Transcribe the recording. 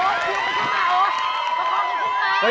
โอ๊ยพี่มันขึ้นมาโอ๊ย